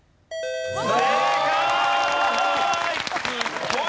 正解！